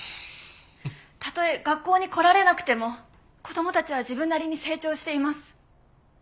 たとえ学校に来られなくても子供たちは自分なりに成長しています。